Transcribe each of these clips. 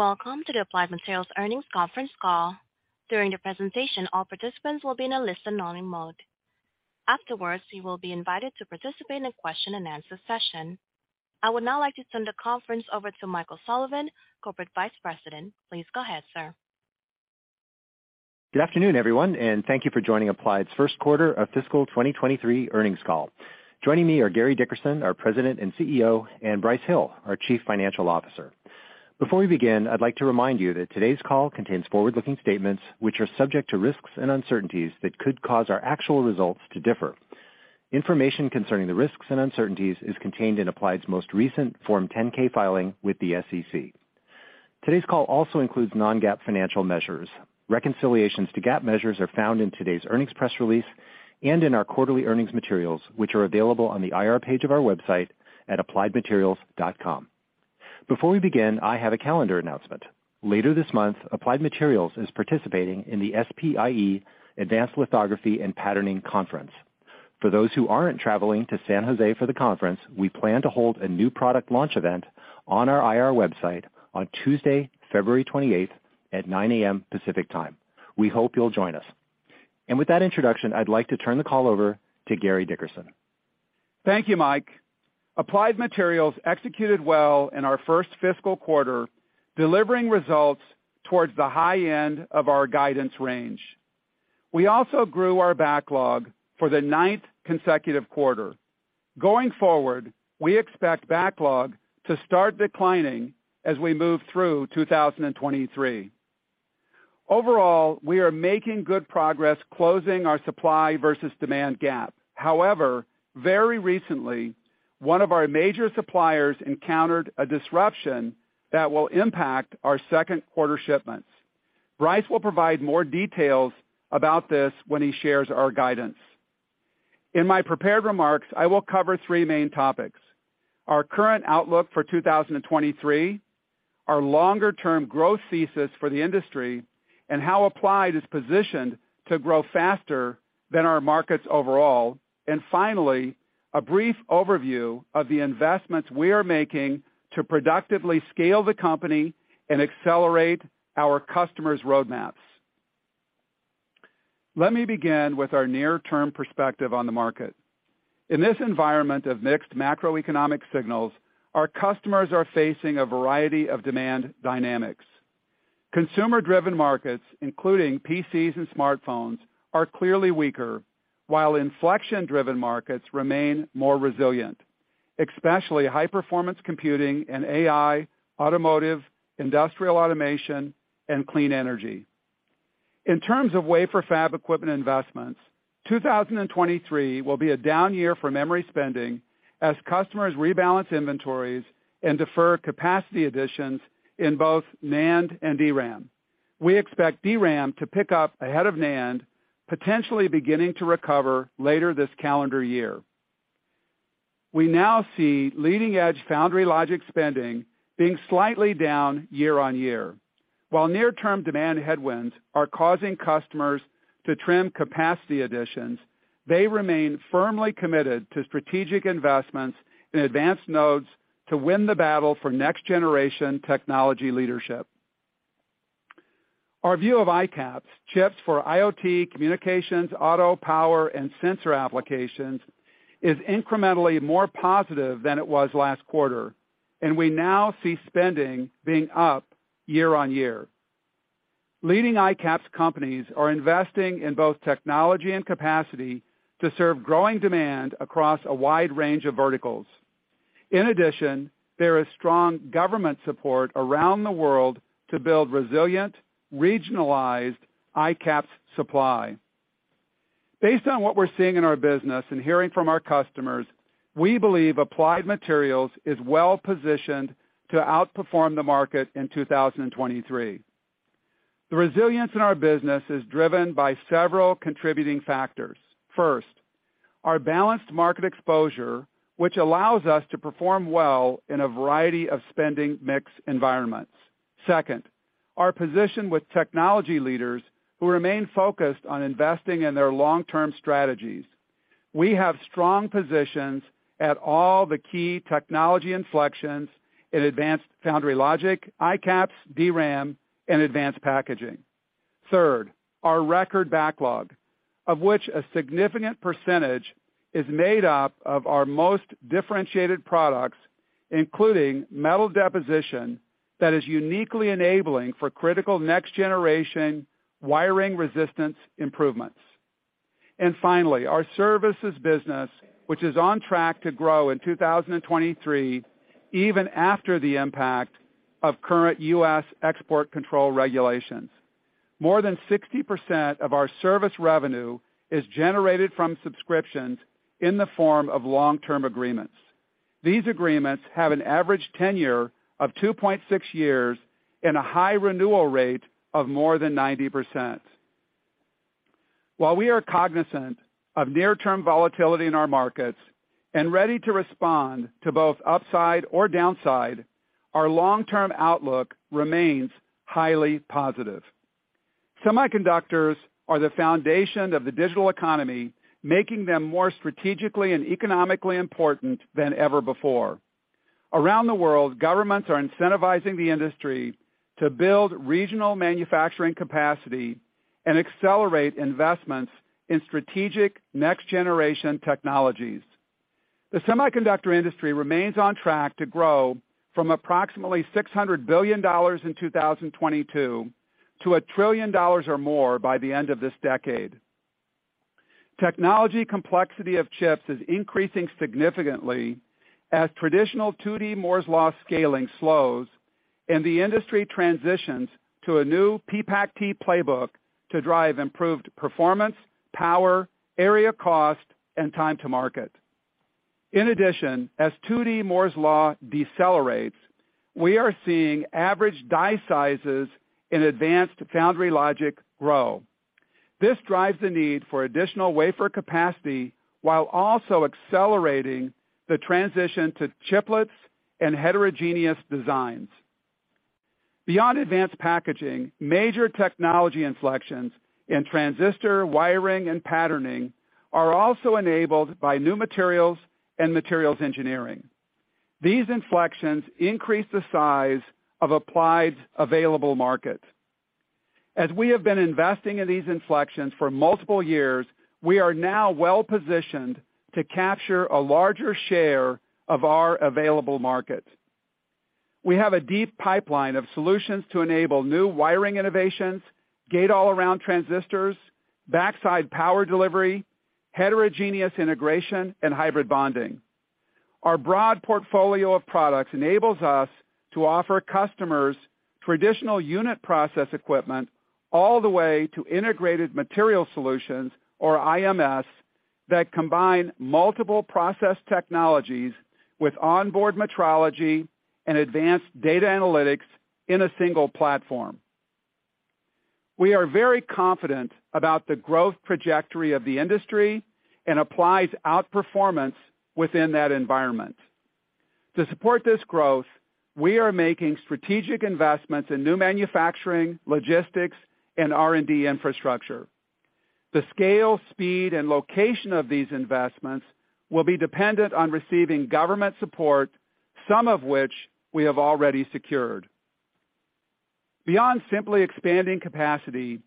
Welcome to the Applied Materials Earnings Conference Call. During the presentation, all participants will be in a listen-only mode. Afterwards, you will be invited to participate in a question-and-answer session. I would now like to turn the conference over to Michael Sullivan, Corporate Vice President. Please go ahead, sir. Good afternoon, everyone, and thank you for joining Applied's 1st quarter of fiscal 2023 earnings call. Joining me are Gary Dickerson, our President and CEO, and Brice Hill, our Chief Financial Officer. Before we begin, I'd like to remind you that today's call contains forward-looking statements which are subject to risks and uncertainties that could cause our actual results to differ. Information concerning the risks and uncertainties is contained in Applied's most recent Form 10-K filing with the SEC. Today's call also includes non-GAAP financial measures. Reconciliations to GAAP measures are found in today's earnings press release and in our quarterly earnings materials, which are available on the IR page of our website at appliedmaterials.com. Before we begin, I have a calendar announcement. Later this month, Applied Materials is participating in the SPIE Advanced Lithography and Patterning Conference. For those who aren't traveling to San Jose for the conference, we plan to hold a new product launch event on our IR website on Tuesday, February 28th at 9:00 A.M. Pacific Time. We hope you'll join us. With that introduction, I'd like to turn the call over to Gary Dickerson. Thank you, Mike. Applied Materials executed well in our first fiscal quarter, delivering results towards the high end of our guidance range. We also grew our backlog for the ninth consecutive quarter. Going forward, we expect backlog to start declining as we move through 2023. We are making good progress closing our supply versus demand gap. However, very recently, one of our major suppliers encountered a disruption that will impact our second quarter shipments. Brice will provide more details about this when he shares our guidance. In my prepared remarks, I will cover three main topics: our current outlook for 2023, our longer-term growth thesis for the industry, and how Applied is positioned to grow faster than our markets overall. Finally, a brief overview of the investments we are making to productively scale the company and accelerate our customers' roadmaps. Let me begin with our near-term perspective on the market. In this environment of mixed macroeconomic signals, our customers are facing a variety of demand dynamics. Consumer-driven markets, including PCs and smartphones, are clearly weaker, while inflection-driven markets remain more resilient, especially high-performance computing and AI, automotive, industrial automation, and clean energy. In terms of wafer fab equipment investments, 2023 will be a down year for memory spending as customers rebalance inventories and defer capacity additions in both NAND and DRAM. We expect DRAM to pick up ahead of NAND, potentially beginning to recover later this calendar year. We now see leading-edge foundry logic spending being slightly down year-over-year. While near-term demand headwinds are causing customers to trim capacity additions, they remain firmly committed to strategic investments in advanced nodes to win the battle for next-generation technology leadership. Our view of ICAPS, chips for IoT, communications, auto, power, and sensor applications, is incrementally more positive than it was last quarter, and we now see spending being up year-over-year. Leading ICAPS companies are investing in both technology and capacity to serve growing demand across a wide range of verticals. In addition, there is strong government support around the world to build resilient, regionalized ICAPS supply. Based on what we're seeing in our business and hearing from our customers, we believe Applied Materials is well-positioned to outperform the market in 2023. The resilience in our business is driven by several contributing factors. First, our balanced market exposure, which allows us to perform well in a variety of spending mix environments. Second, our position with technology leaders who remain focused on investing in their long-term strategies. We have strong positions at all the key technology inflections in advanced foundry logic, ICAPS, DRAM, and advanced packaging. Our record backlog, of which a significant % is made up of our most differentiated products, including metal deposition that is uniquely enabling for critical next-generation wiring resistance improvements. Finally, our services business, which is on track to grow in 2023, even after the impact of current U.S. export control regulations. More than 60% of our service revenue is generated from subscriptions in the form of long-term agreements. These agreements have an average tenure of 2.6 years and a high renewal rate of more than 90%. While we are cognizant of near-term volatility in our markets and ready to respond to both upside or downside, our long-term outlook remains highly positive. Semiconductors are the foundation of the digital economy, making them more strategically and economically important than ever before. Around the world, governments are incentivizing the industry to build regional manufacturing capacity and accelerate investments in strategic next-generation technologies. The semiconductor industry remains on track to grow from approximately $600 billion in 2022 to $1 trillion or more by the end of this decade. Technology complexity of chips is increasing significantly as traditional 2D Moore's Law scaling slows and the industry transitions to a new PPAC-T playbook to drive improved performance, power, area cost, and time to market. In addition, as 2D Moore's Law decelerates, we are seeing average die sizes in advanced foundry logic grow. This drives the need for additional wafer capacity while also accelerating the transition to chiplets and heterogeneous designs. Beyond advanced packaging, major technology inflections in transistor, wiring, and patterning are also enabled by new materials and materials engineering. These inflections increase the size of Applied's available markets. As we have been investing in these inflections for multiple years, we are now well-positioned to capture a larger share of our available market. We have a deep pipeline of solutions to enable new wiring innovations, gate-all-around transistors, backside power delivery, heterogeneous integration, and hybrid bonding. Our broad portfolio of products enables us to offer customers traditional unit process equipment all the way to integrated material solutions, or IMS, that combine multiple process technologies with onboard metrology and advanced data analytics in a single platform. We are very confident about the growth trajectory of the industry and Applied's outperformance within that environment. To support this growth, we are making strategic investments in new manufacturing, logistics, and R&D infrastructure. The scale, speed, and location of these investments will be dependent on receiving government support, some of which we have already secured. Beyond simply expanding capacity,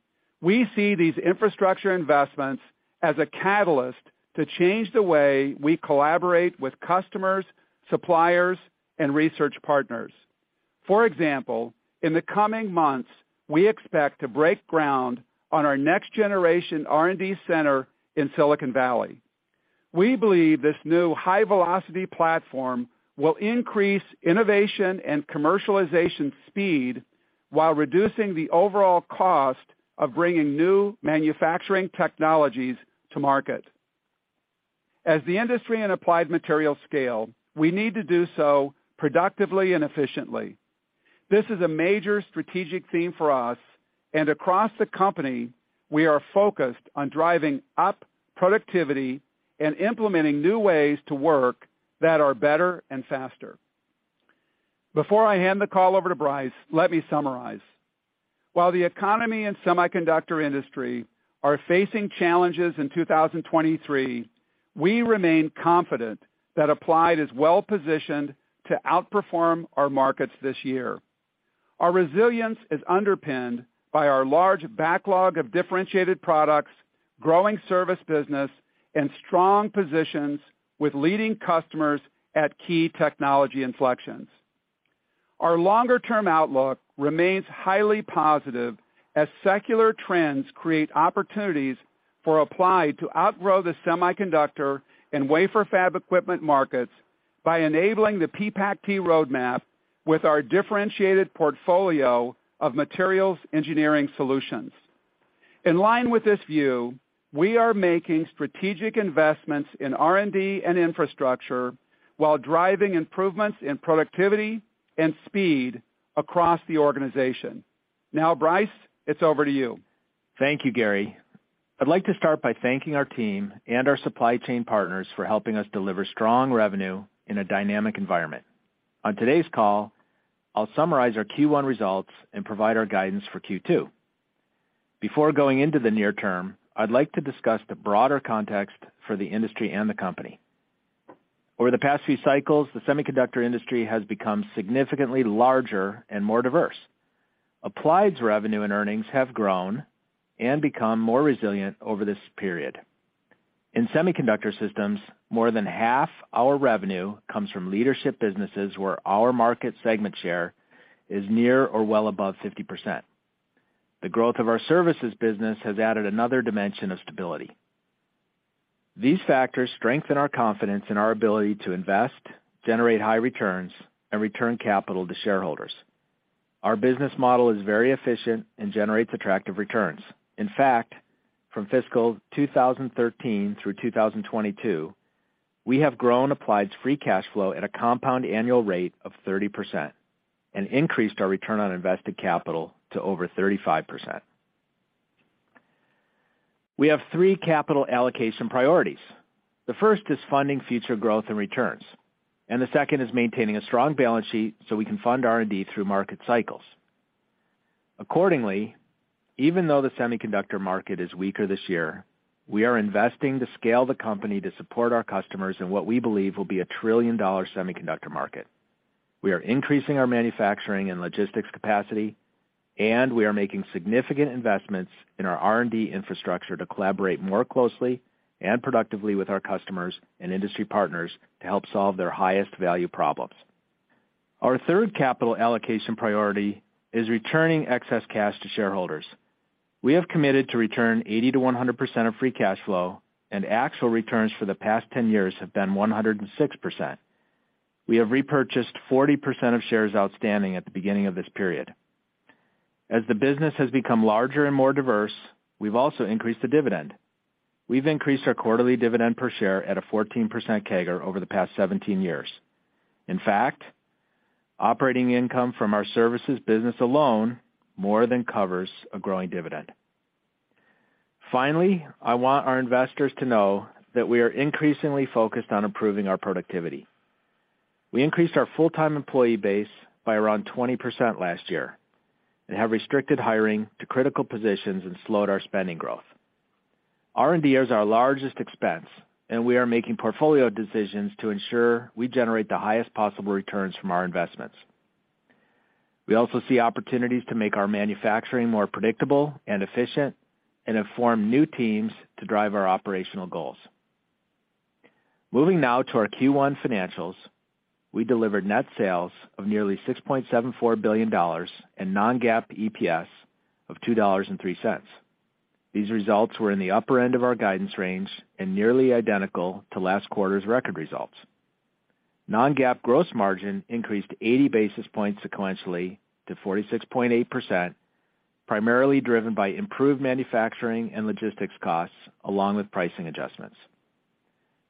we see these infrastructure investments as a catalyst to change the way we collaborate with customers, suppliers, and research partners. For example, in the coming months, we expect to break ground on our next-generation R&D center in Silicon Valley. We believe this new high-velocity platform will increase innovation and commercialization speed while reducing the overall cost of bringing new manufacturing technologies to market. As the industry and Applied Materials scale, we need to do so productively and efficiently. This is a major strategic theme for us, and across the company, we are focused on driving up productivity and implementing new ways to work that are better and faster. Before I hand the call over to Brice, let me summarize. While the economy and semiconductor industry are facing challenges in 2023, we remain confident that Applied is well-positioned to outperform our markets this year. Our resilience is underpinned by our large backlog of differentiated products, growing service business, and strong positions with leading customers at key technology inflections. Our longer-term outlook remains highly positive as secular trends create opportunities for Applied to outgrow the semiconductor and wafer fab equipment markets by enabling the PPAC-T roadmap with our differentiated portfolio of materials engineering solutions. In line with this view, we are making strategic investments in R&D and infrastructure while driving improvements in productivity and speed across the organization. Now, Brice, it's over to you. Thank you, Gary. I'd like to start by thanking our team and our supply chain partners for helping us deliver strong revenue in a dynamic environment. On today's call, I'll summarize our Q1 results and provide our guidance for Q2. Before going into the near term, I'd like to discuss the broader context for the industry and the company. Over the past few cycles, the semiconductor industry has become significantly larger and more diverse. Applied's revenue and earnings have grown and become more resilient over this period. In semiconductor systems, more than half our revenue comes from leadership businesses where our market segment share is near or well above 50%. The growth of our services business has added another dimension of stability. These factors strengthen our confidence in our ability to invest, generate high returns, and return capital to shareholders. Our business model is very efficient and generates attractive returns. In fact, from fiscal 2013 through 2022, we have grown Applied's free cash flow at a compound annual rate of 30% and increased our return on invested capital to over 35%. We have three capital allocation priorities. The first is funding future growth and returns, and the second is maintaining a strong balance sheet so we can fund R&D through market cycles. Accordingly, even though the semiconductor market is weaker this year, we are investing to scale the company to support our customers in what we believe will be a trillion-dollar semiconductor market. We are increasing our manufacturing and logistics capacity, and we are making significant investments in our R&D infrastructure to collaborate more closely and productively with our customers and industry partners to help solve their highest value problems. Our third capital allocation priority is returning excess cash to shareholders. We have committed to return 80%-100% of free cash flow, and actual returns for the past 10 years have been 106%. We have repurchased 40% of shares outstanding at the beginning of this period. As the business has become larger and more diverse, we've also increased the dividend. We've increased our quarterly dividend per share at a 14% CAGR over the past 17 years. In fact, operating income from our services business alone more than covers a growing dividend. Finally, I want our investors to know that we are increasingly focused on improving our productivity. We increased our full-time employee base by around 20% last year and have restricted hiring to critical positions and slowed our spending growth. R&D is our largest expense, and we are making portfolio decisions to ensure we generate the highest possible returns from our investments. We also see opportunities to make our manufacturing more predictable and efficient and have formed new teams to drive our operational goals. Moving now to our Q1 financials. We delivered net sales of nearly $6.74 billion and non-GAAP EPS of $2.03. These results were in the upper end of our guidance range and nearly identical to last quarter's record results. Non-GAAP gross margin increased 80 basis points sequentially to 46.8%, primarily driven by improved manufacturing and logistics costs along with pricing adjustments.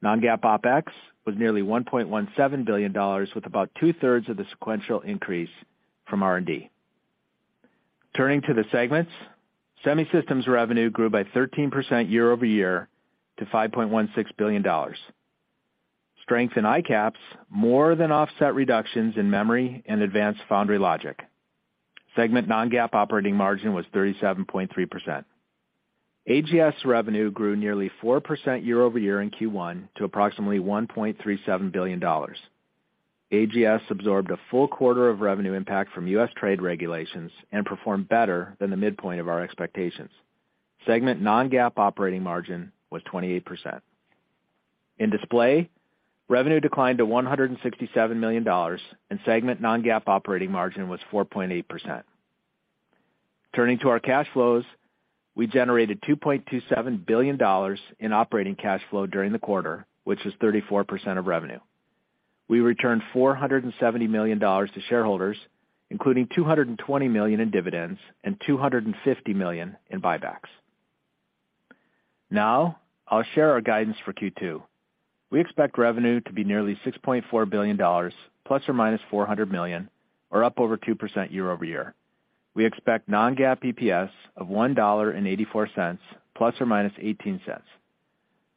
Non-GAAP OpEx was nearly $1.17 billion, with about 2/3 of the sequential increase from R&D. Turning to the segments. Semi systems revenue grew by 13% year-over-year to $5.16 billion. Strength in ICAPS more than offset reductions in memory and advanced foundry logic. Segment non-GAAP operating margin was 37.3%. AGS revenue grew nearly 4% year-over-year in Q1 to approximately $1.37 billion. AGS absorbed a full quarter of revenue impact from U.S. trade regulations and performed better than the midpoint of our expectations. Segment non-GAAP operating margin was 28%. In display, revenue declined to $167 million, and segment non-GAAP operating margin was 4.8%. Turning to our cash flows, we generated $2.27 billion in operating cash flow during the quarter, which is 34% of revenue. We returned $470 million to shareholders, including $220 million in dividends and $250 million in buybacks. I'll share our guidance for Q2. We expect revenue to be nearly $6.4 billion ±$400 million, or up over 2% year-over-year. We expect non-GAAP EPS of $1.84 ±$0.18.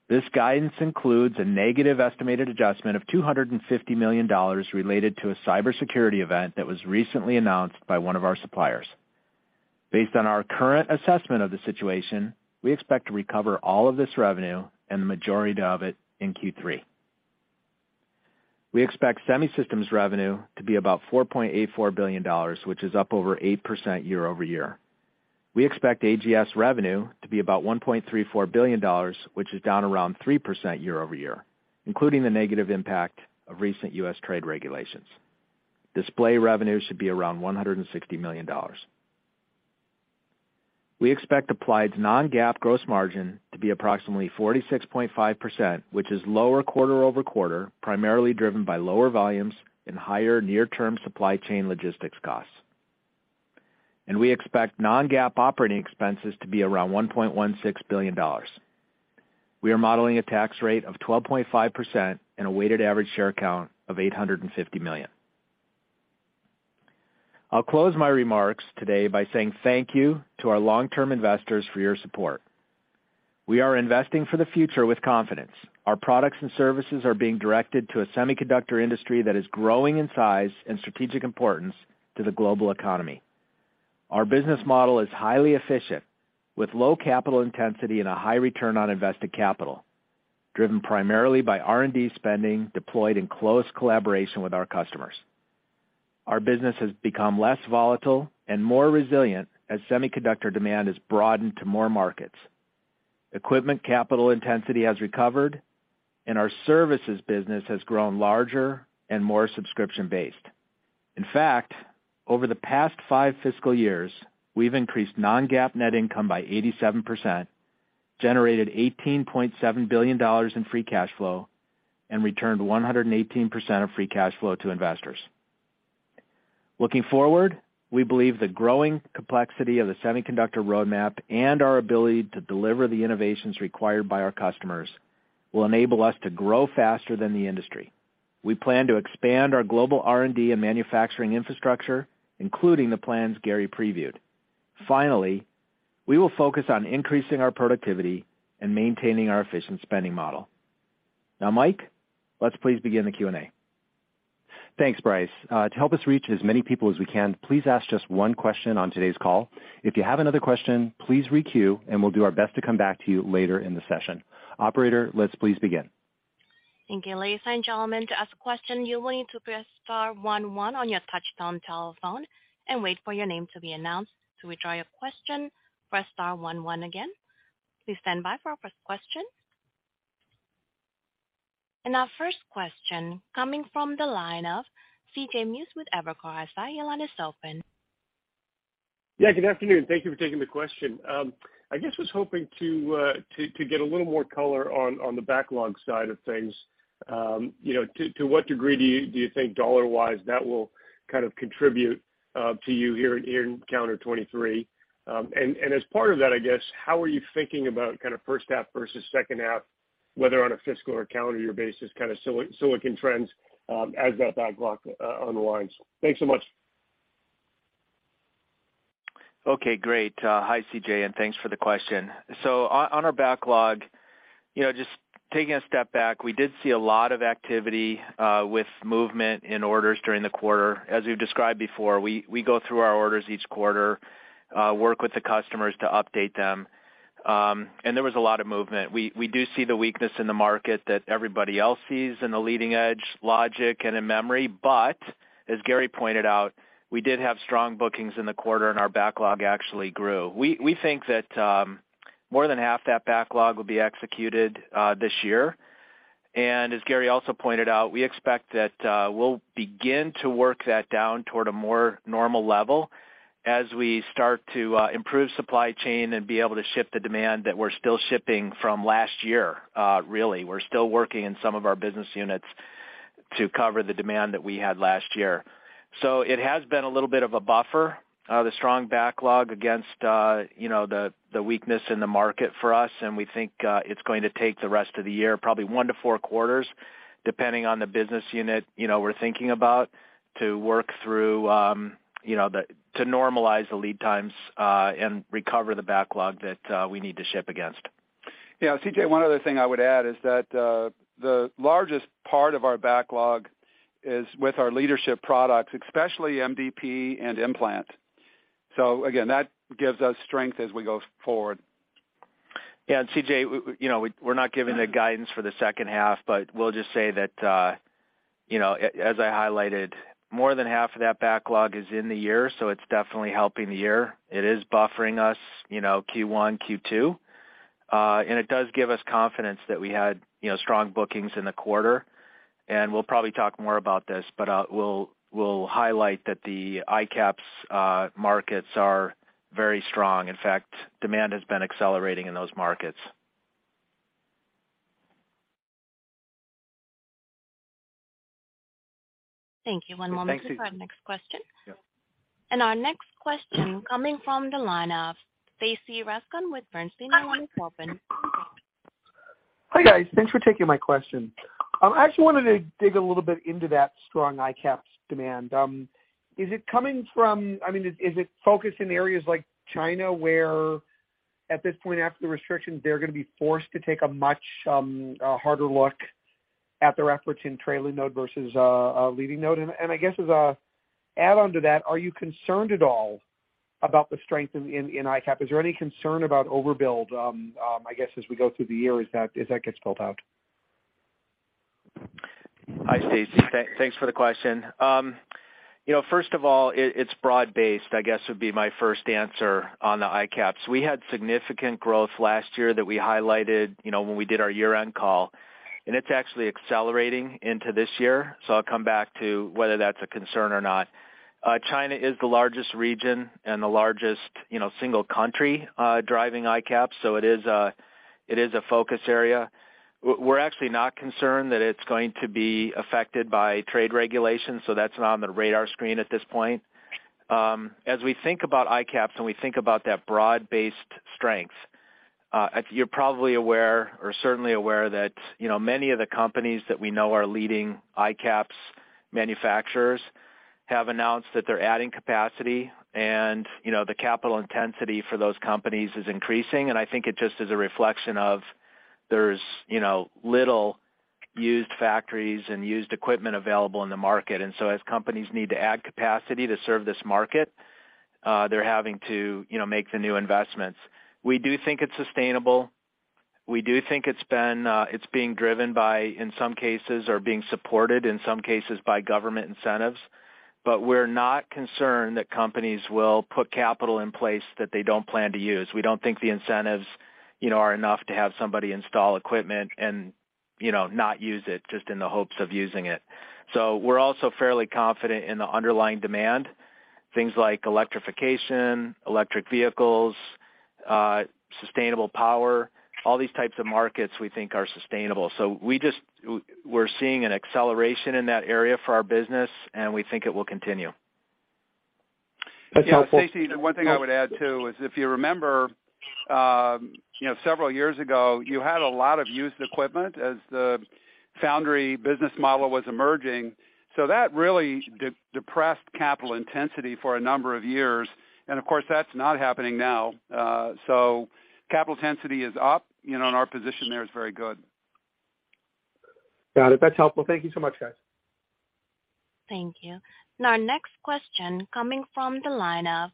This guidance includes a negative estimated adjustment of $250 million related to a cybersecurity event that was recently announced by one of our suppliers. Based on our current assessment of the situation, we expect to recover all of this revenue and the majority of it in Q3. We expect semi systems revenue to be about $4.84 billion, which is up over 8% year-over-year. We expect AGS revenue to be about $1.34 billion, which is down around 3% year-over-year, including the negative impact of recent US trade regulations. Display revenue should be around $160 million. We expect Applied's non-GAAP gross margin to be approximately 46.5%, which is lower quarter-over-quarter, primarily driven by lower volumes and higher near-term supply chain logistics costs. We expect non-GAAP operating expenses to be around $1.16 billion. We are modeling a tax rate of 12.5% and a weighted average share count of 850 million. I'll close my remarks today by saying thank you to our long-term investors for your support. We are investing for the future with confidence. Our products and services are being directed to a semiconductor industry that is growing in size and strategic importance to the global economy. Our business model is highly efficient with low capital intensity and a high return on invested capital, driven primarily by R&D spending deployed in close collaboration with our customers. Our business has become less volatile and more resilient as semiconductor demand has broadened to more markets. Equipment capital intensity has recovered, and our services business has grown larger and more subscription-based. In fact, over the past five fiscal years, we've increased non-GAAP net income by 87%, generated $18.7 billion in free cash flow, and returned 118% of free cash flow to investors. Looking forward, we believe the growing complexity of the semiconductor roadmap and our ability to deliver the innovations required by our customers will enable us to grow faster than the industry. We plan to expand our global R&D and manufacturing infrastructure, including the plans Gary previewed. Finally, we will focus on increasing our productivity and maintaining our efficient spending model. Mike, let's please begin the Q&A. Thanks, Brice. To help us reach as many people as we can, please ask just one question on today's call. If you have another question, please re-queue, we'll do our best to come back to you later in the session. Operator, let's please begin. Thank you. Ladies and gentlemen, to ask a question, you will need to press star one one on your touch-tone telephone and wait for your name to be announced. To withdraw your question, press star one one again. Please stand by for our first question. Our first question coming from the line of C.J. Muse with Evercore ISI. Your line is open. Yeah, good afternoon. Thank you for taking the question. I guess was hoping to get a little more color on the backlog side of things. You know, to what degree do you think dollar-wise that will kind of contribute to you here in calendar 2023? As part of that, I guess, how are you thinking about kind of first half versus second half, whether on a fiscal or calendar year basis, kind of silicon trends as that backlog unwinds? Thanks so much. Okay, great. Hi, C.J., and thanks for the question. On our backlog, you know, just taking a step back, we did see a lot of activity with movement in orders during the quarter. As we've described before, we go through our orders each quarter, work with the customers to update them, and there was a lot of movement. We do see the weakness in the market that everybody else sees in the leading edge logic and in memory, but as Gary pointed out, we did have strong bookings in the quarter and our backlog actually grew. We think that more than half that backlog will be executed this year. As Gary also pointed out, we expect that we'll begin to work that down toward a more normal level as we start to improve supply chain and be able to ship the demand that we're still shipping from last year, really. We're still working in some of our business units to cover the demand that we had last year. It has been a little bit of a buffer, the strong backlog against, you know, the weakness in the market for us, and we think it's going to take the rest of the year, probably one to four quarters, depending on the business unit, you know, we're thinking about to work through, you know, to normalize the lead times and recover the backlog that we need to ship against. You know, C.J., one other thing I would add is that, the largest part of our backlog is with our leadership products, especially MDP and implant. Again, that gives us strength as we go forward. C.J., we, you know, we're not giving the guidance for the second half. We'll just say that, you know, as I highlighted, more than half of that backlog is in the year. It's definitely helping the year. It is buffering us, you know, Q1, Q2. It does give us confidence that we had, you know, strong bookings in the quarter. We'll probably talk more about this, but we'll highlight that the ICAPS markets are very strong. In fact, demand has been accelerating in those markets. Thank you. One moment for our next question. Yeah. Our next question coming from the line of Stacy Rasgon with Bernstein. Your line is open. Hi, guys. Thanks for taking my question. I actually wanted to dig a little bit into that strong ICAPS demand. I mean, is it focused in areas like China, where at this point, after the restrictions, they're gonna be forced to take a much harder look at their efforts in trailing node versus a leading node? I guess as a add-on to that, are you concerned at all about the strength in ICAPS? Is there any concern about overbuild, I guess, as we go through the year as that gets built out? Hi, Stacy. Thanks for the question. you know, first of all, it's broad-based, I guess, would be my first answer on the ICAPS. We had significant growth last year that we highlighted, you know, when we did our year-end call, and it's actually accelerating into this year. I'll come back to whether that's a concern or not. China is the largest region and the largest, you know, single country, driving ICAPS, it is a focus area. We're actually not concerned that it's going to be affected by trade regulations, That's not on the radar screen at this point. As we think about ICAPS and we think about that broad-based strength, as you're probably aware or certainly aware that, you know, many of the companies that we know are leading ICAPS manufacturers have announced that they're adding capacity and, you know, the capital intensity for those companies is increasing. I think it just is a reflection of there's, you know, little used factories and used equipment available in the market. As companies need to add capacity to serve this market, they're having to, you know, make the new investments. We do think it's sustainable. We do think it's been, it's being driven by, in some cases, or being supported in some cases by government incentives. We're not concerned that companies will put capital in place that they don't plan to use. We don't think the incentives, you know, are enough to have somebody install equipment and, you know, not use it just in the hopes of using it. We're also fairly confident in the underlying demand, things like electrification, electric vehicles, sustainable power, all these types of markets we think are sustainable. We're seeing an acceleration in that area for our business, and we think it will continue. Yeah, Stacy, the one thing I would add too is if you remember, you know, several years ago, you had a lot of used equipment as the foundry business model was emerging. That really depressed capital intensity for a number of years. Of course, that's not happening now. Capital intensity is up, you know, and our position there is very good. Got it. That's helpful. Thank you so much, guys. Thank you. Our next question coming from the line of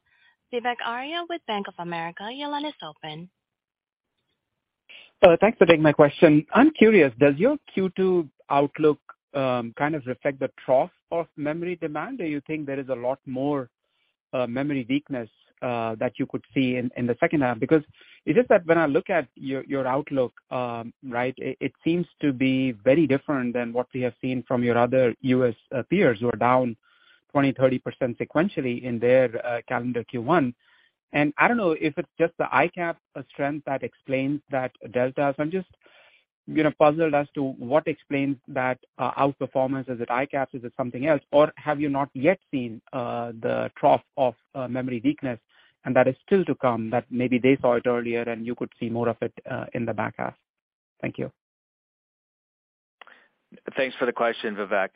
Vivek Arya with Bank of America, your line is open. thanks for taking my question. I'm curious, does your Q2 outlook, kind of reflect the trough of memory demand? Or you think there is a lot more memory weakness that you could see in the second half? Because it's just that when I look at your outlook, right, it seems to be very different than what we have seen from your other US peers who are down 20%, 30% sequentially in their calendar Q1. I don't know if it's just the ICAPS strength that explains that delta. I'm just, you know, puzzled as to what explains that outperformance. Is it ICAPS? Is it something else? Have you not yet seen, the trough of, memory weakness, and that is still to come that maybe they saw it earlier, and you could see more of it, in the back half? Thank you. Thanks for the question, Vivek.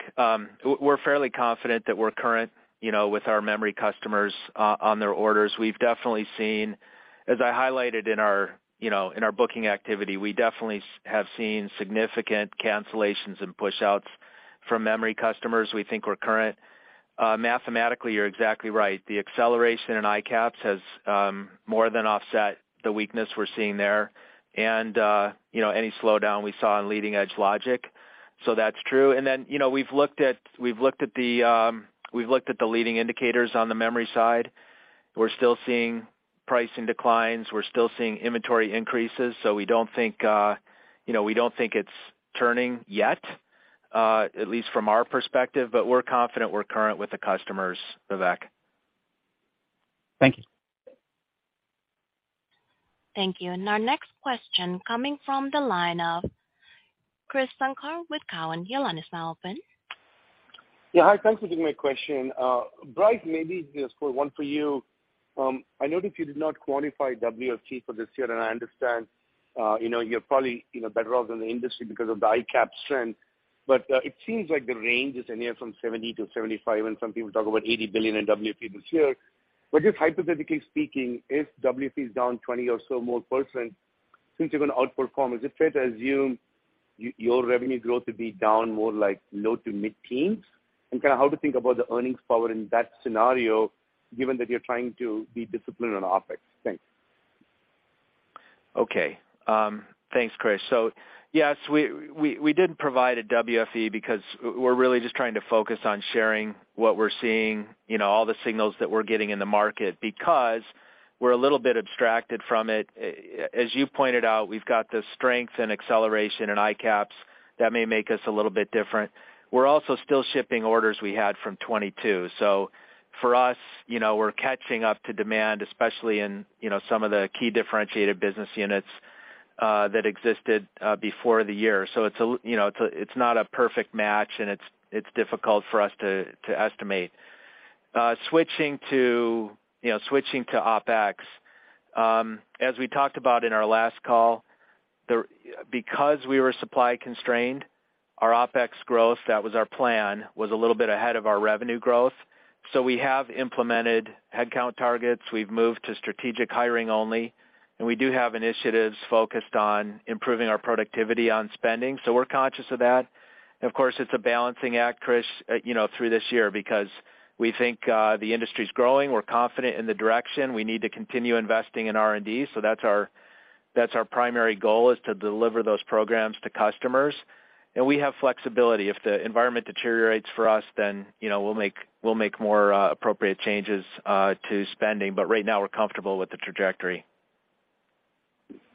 We're fairly confident that we're current, you know, with our memory customers on their orders. We've definitely seen, as I highlighted in our, you know, in our booking activity, we definitely have seen significant cancellations and pushouts from memory customers. We think we're current. Mathematically, you're exactly right. The acceleration in ICAPS has more than offset the weakness we're seeing there and, you know, any slowdown we saw in leading edge logic. That's true. You know, we've looked at the leading indicators on the memory side. We're still seeing pricing declines. We're still seeing inventory increases. We don't think, you know, we don't think it's turning yet, at least from our perspective, but we're confident we're current with the customers, Vivek. Thank you. Thank you. Our next question coming from the line of Krish Sankar with Cowen, your line is now open. Yeah. Hi, thanks for taking my question. Brice, maybe this one for you. I noticed you did not quantify WFE for this year, and I understand, you know, you're probably, you know, better off than the industry because of the ICAP trend. It seems like the range is anywhere from 70-75, and some people talk about $80 billion in WFE this year. Just hypothetically speaking, if WFE is down 20% or so more, since you're gonna outperform, is it fair to assume your revenue growth to be down more like low to mid-teens? Kinda how to think about the earnings power in that scenario, given that you're trying to be disciplined on OpEx? Thanks. Thanks, Krish. Yes, we didn't provide a WFE because we're really just trying to focus on sharing what we're seeing, you know, all the signals that we're getting in the market because we're a little bit abstracted from it. As you pointed out, we've got the strength and acceleration in ICAPs that may make us a little bit different. We're also still shipping orders we had from 2022. For us, you know, we're catching up to demand, especially in, you know, some of the key differentiated business units that existed before the year. It's not a perfect match, and it's difficult for us to estimate. switching to, you know, switching to OpEx, as we talked about in our last call, because we were supply constrained, our OpEx growth, that was our plan, was a little bit ahead of our revenue growth. We have implemented headcount targets. We've moved to strategic hiring only, and we do have initiatives focused on improving our productivity on spending. We're conscious of that. Of course, it's a balancing act, Krish, you know, through this year because we think the industry's growing. We're confident in the direction. We need to continue investing in R&D. That's our primary goal, is to deliver those programs to customers. We have flexibility. If the environment deteriorates for us, then, you know, we'll make more appropriate changes to spending. Right now we're comfortable with the trajectory.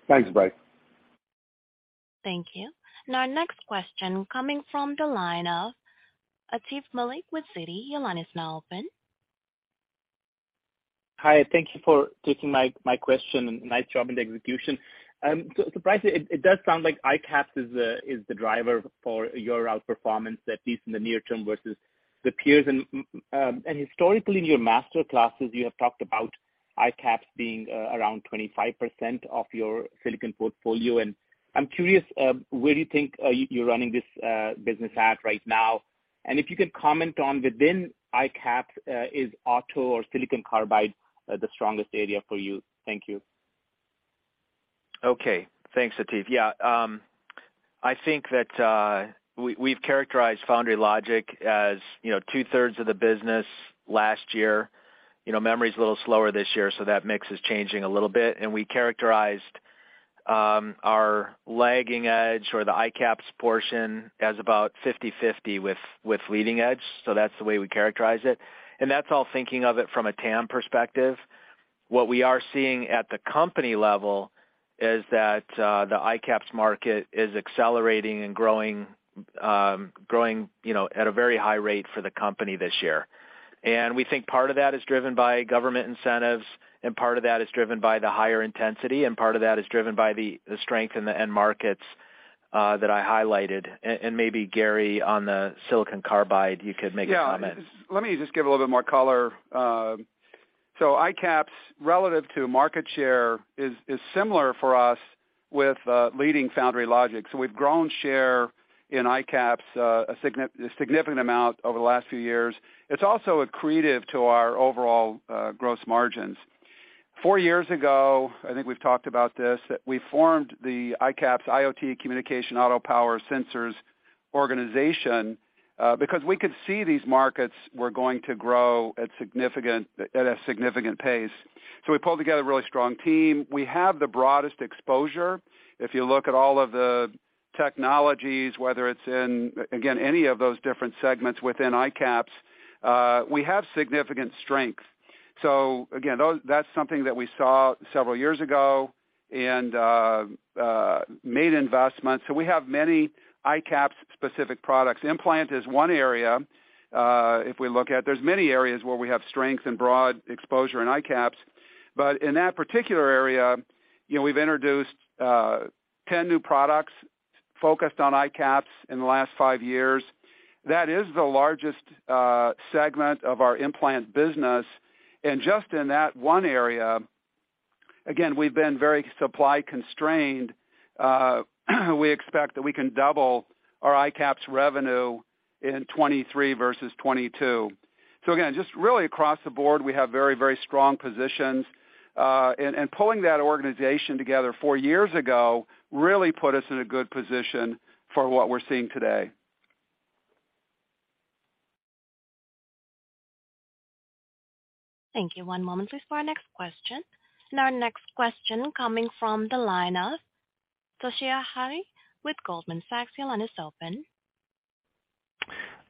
Thanks, Brice. Thank you. Our next question coming from the line of Atif Malik with Citi, your line is now open. Hi, thank you for taking my question, and nice job in the execution. Surprisingly, it does sound like ICAPS is the driver for your outperformance, at least in the near term versus the peers. Historically in your Master Classes, you have talked about ICAPS being around 25% of your silicon portfolio. I'm curious, where do you think you're running this business at right now? If you can comment on within ICAPS, is auto or silicon carbide the strongest area for you? Thank you. Okay. Thanks, Atif. Yeah. I think that we've characterized foundry logic as, you know, 2/3 of the business last year. You know, memory's a little slower this year, that mix is changing a little bit. We characterized our lagging edge or the ICAPS portion as about 50/50 with leading edge. That's the way we characterize it. That's all thinking of it from a TAM perspective. What we are seeing at the company level is that the ICAPS market is accelerating and growing, you know, at a very high rate for the company this year. We think part of that is driven by government incentives, and part of that is driven by the higher intensity, and part of that is driven by the strength in the end markets that I highlighted. Maybe Gary, on the silicon carbide, you could make a comment. Yeah. Let me just give a little bit more color. ICAPS relative to market share is similar for us with leading foundry logic. We've grown share in ICAPS a significant amount over the last few years. It's also accretive to our overall gross margins. Four years ago, I think we've talked about this, we formed the ICAPS, IoT communication auto power sensors organization, because we could see these markets were going to grow at a significant pace. We pulled together a really strong team. We have the broadest exposure. If you look at all of the technologies, whether it's in, again, any of those different segments within ICAPS, we have significant strength. Again, that's something that we saw several years ago and made investments. We have many ICAPS specific products. Implant is one area, if we look at. There's many areas where we have strength and broad exposure in ICAPS. In that particular area, you know, we've introduced 10 new products focused on ICAPS in the last 5 years. That is the largest segment of our implant business. Just in that one area, again, we've been very supply constrained. We expect that we can double our ICAPS revenue in 2023 vs 2022. Again, just really across the board, we have very, very strong positions, and pulling that organization together four years ago really put us in a good position for what we're seeing today. Thank you. One moment please for our next question. Our next question coming from the line of Toshiya Hari with Goldman Sachs. The line is open.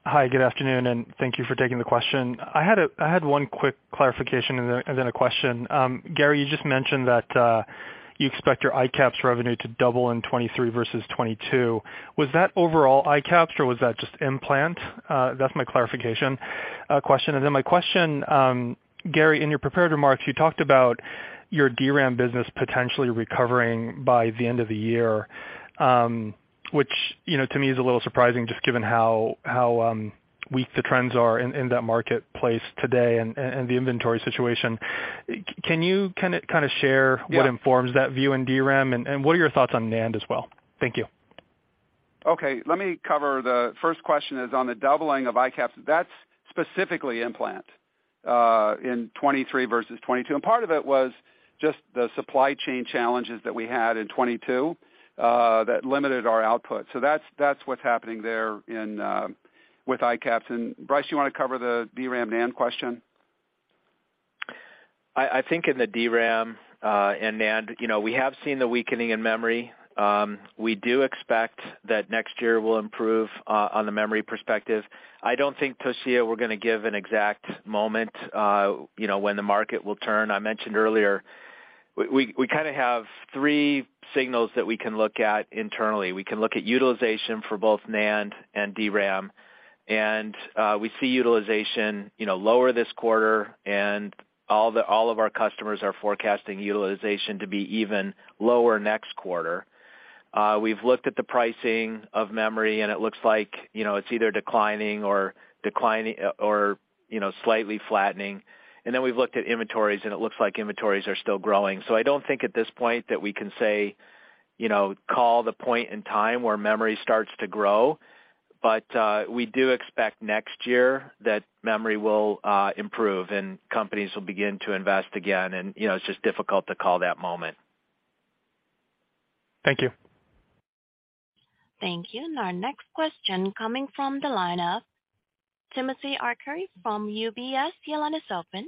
Hi, good afternoon, and thank you for taking the question. I had one quick clarification and then, and then a question. Gary, you just mentioned that you expect your ICAPS revenue to double in 2023 vs 2022. Was that overall ICAPS, or was that just implant? That's my clarification question. My question, Gary, in your prepared remarks, you talked about your DRAM business potentially recovering by the end of the year, which, you know, to me is a little surprising just given how weak the trends are in that marketplace today and the inventory situation. Can you kind of share- Yeah. What informs that view in DRAM, and what are your thoughts on NAND as well? Thank you. Okay, let me cover the first question is on the doubling of ICAPS. That's specifically implant, in 2023 vs 2022. Part of it was just the supply chain challenges that we had in 2022, that limited our output. That's what's happening there in, with ICAPS. Bryce, you wanna cover the DRAM, NAND question? I think in the DRAM and NAND, you know, we have seen the weakening in memory. We do expect that next year will improve on the memory perspective. I don't think, Toshiya, we're gonna give an exact moment, you know, when the market will turn. I mentioned earlier, we kind of have three signals that we can look at internally. We can look at utilization for both NAND and DRAM, and we see utilization, you know, lower this quarter, and all of our customers are forecasting utilization to be even lower next quarter. We've looked at the pricing of memory, and it looks like, you know, it's either declining or, you know, slightly flattening. We've looked at inventories, and it looks like inventories are still growing. I don't think at this point that we can say, you know, call the point in time where memory starts to grow. We do expect next year that memory will improve and companies will begin to invest again. You know, it's just difficult to call that moment. Thank you. Thank you. Our next question coming from the line of Timothy Arcuri from UBS. Your line is open.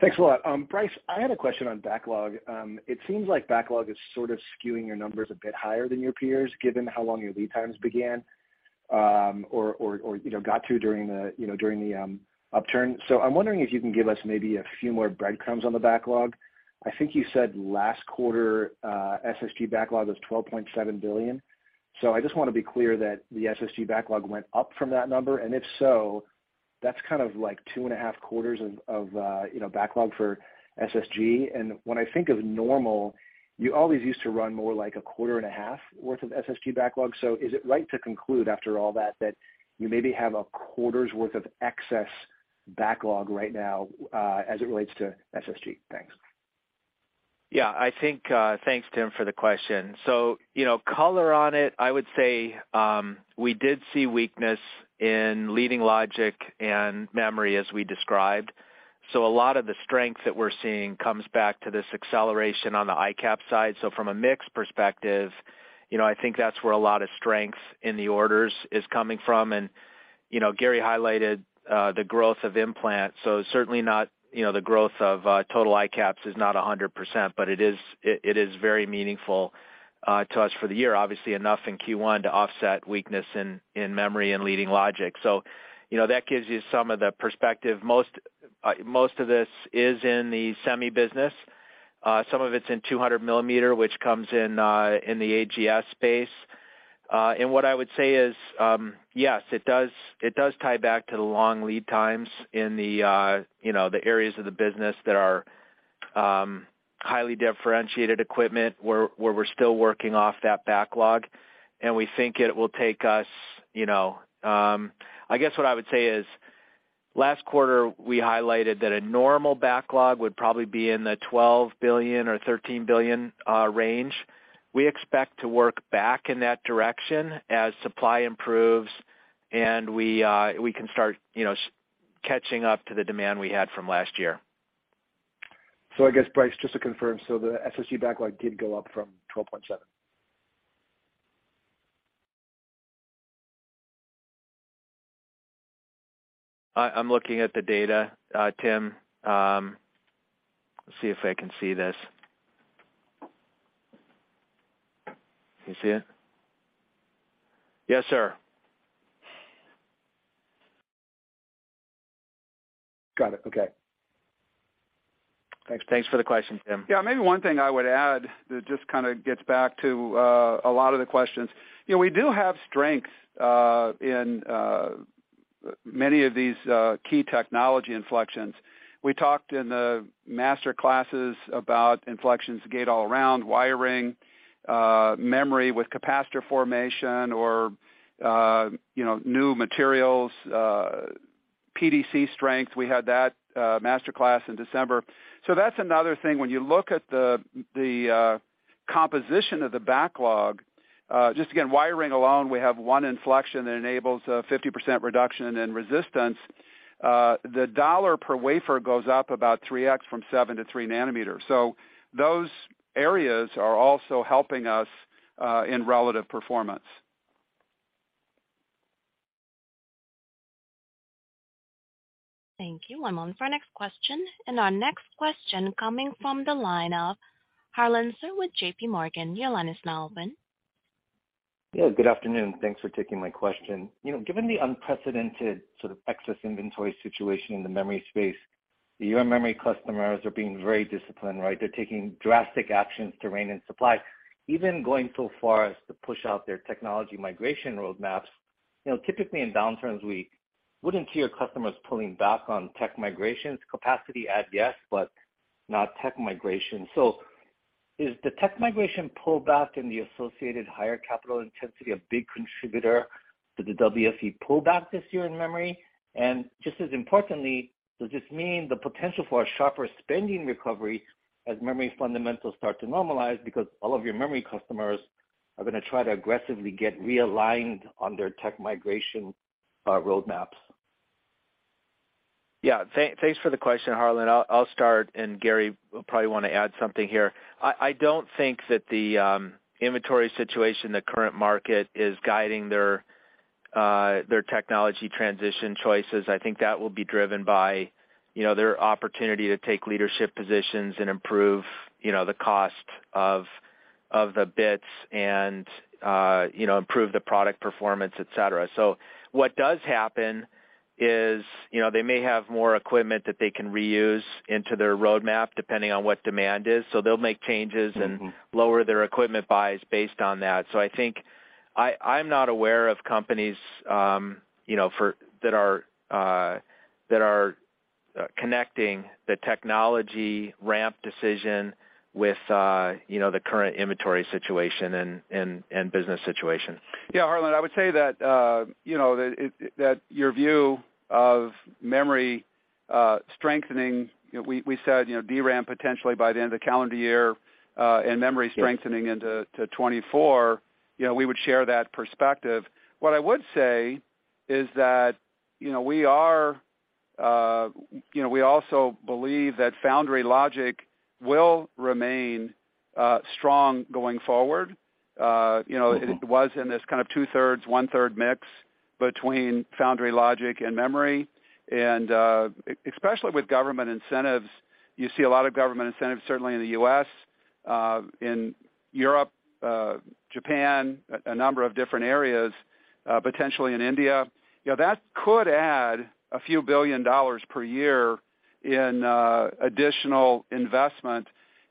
Thanks a lot. Brice, I had a question on backlog. It seems like backlog is sort of skewing your numbers a bit higher than your peers, given how long your lead times began, or, you know, got to during the, you know, during the upturn. I'm wondering if you can give us maybe a few more breadcrumbs on the backlog. I think you said last quarter, SSG backlog was $12.7 billion. I just wanna be clear that the SSG backlog went up from that number, and if so, that's kind of like 2.5 quarters of, you know, backlog for SSG. When I think of normal, you always used to run more like 1.5 quarters worth of SSG backlog. Is it right to conclude after all that you maybe have a quarter's worth of excess backlog right now, as it relates to SSG? Thanks. Yeah, I think, thanks, Tim, for the question. You know, color on it, I would say, we did see weakness in leading logic and memory, as we described. A lot of the strength that we're seeing comes back to this acceleration on the ICAPS side. From a mix perspective, you know, I think that's where a lot of strength in the orders is coming from. You know, Gary highlighted, the growth of implant, certainly not, you know, the growth of total ICAPS is not 100%, but it is very meaningful to us for the year, obviously enough in Q1 to offset weakness in memory and leading logic. You know, that gives you some of the perspective. Most, most of this is in the semi business. Some of it's in 200 millimeter, which comes in the AGS space. What I would say is, yes, it does tie back to the long lead times in the, you know, the areas of the business that are highly differentiated equipment where we're still working off that backlog, and we think it will take us, you know. I guess what I would say is, last quarter, we highlighted that a normal backlog would probably be in the $12 billion or $13 billion range. We expect to work back in that direction as supply improves and we can start, you know, catching up to the demand we had from last year. I guess, Brice, just to confirm, so the SSE backlog did go up from $12.7? I'm looking at the data, Tim. Let's see if I can see this. Can you see it? Yes, sir. Got it. Okay. Thanks. Thanks for the question, Tim. Yeah, maybe one thing I would add that just kind of gets back to a lot of the questions. You know, we do have strengths in many of these key technology inflections. We talked in the master classes about inflections, gate-all-around, wiring, memory with capacitor formation or, you know, new materials, PDC strength. We had that master class in December. That's another thing. When you look at the composition of the backlog, just again, wiring alone, we have one inflection that enables a 50% reduction in resistance. The dollar per wafer goes up about 3x from 7 nm-3 nm. Those areas are also helping us in relative performance. Thank you. I'm on for our next question. Our next question coming from the line of Harlan Sur with JPMorgan. Your line is now open. Yeah, good afternoon. Thanks for taking my question. You know, given the unprecedented sort of excess inventory situation in the memory space, your memory customers are being very disciplined, right? They're taking drastic actions to rein in supply, even going so far as to push out their technology migration roadmaps. You know, typically in downturns, we wouldn't see your customers pulling back on tech migrations capacity add, yes, but not tech migration. Is the tech migration pullback and the associated higher capital intensity a big contributor to the WFE pullback this year in memory? Just as importantly, does this mean the potential for a sharper spending recovery as memory fundamentals start to normalize because all of your memory customers are gonna try to aggressively get realigned on their tech migration roadmaps? Yeah. Thanks for the question, Harlan. I'll start, Gary will probably wanna add something here. I don't think that the inventory situation in the current market is guiding their technology transition choices. I think that will be driven by, you know, their opportunity to take leadership positions and improve, you know, the cost of the bits and, you know, improve the product performance, et cetera. What does happen is, you know, they may have more equipment that they can reuse into their roadmap, depending on what demand is. They'll make changes- Mm-hmm. and lower their equipment buys based on that. I think I'm not aware of companies, you know, that are connecting the technology ramp decision with, you know, the current inventory situation and business situation. Yeah, Harlan, I would say that, you know, that your view of memory strengthening, you know, we said, you know, DRAM potentially by the end of the calendar year, and memory... Yeah. Strengthening into, to 2024, you know, we would share that perspective. What I would say is that, you know, we are, you know, we also believe that foundry logic will remain strong going forward. Mm-hmm. it was in this kind of 2/3, 1/3 mix between foundry logic and memory. Especially with government incentives, you see a lot of government incentives, certainly in The U.S., in Europe, Japan, a number of different areas, potentially in India. You know, that could add a few billion dollars per year in additional investment.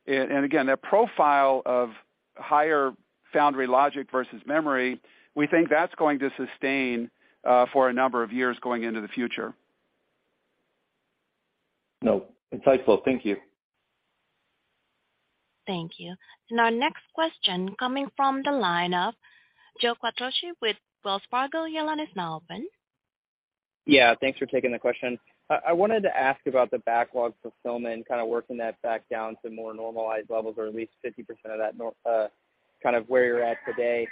Again, that profile of higher foundry logic versus memory, we think that's going to sustain for a number of years going into the future. No, insightful. Thank you. Thank you. Our next question coming from the line of Joe Quattrocchi with Wells Fargo. Your line is now open. Yeah, thanks for taking the question. I wanted to ask about the backlog fulfillment, kind of working that back down to more normalized levels or at least 50% of that kind of where you're at today.